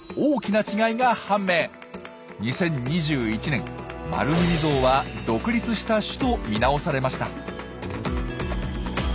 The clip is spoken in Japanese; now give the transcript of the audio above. ２０２１年マルミミゾウは独立した種と見直されました。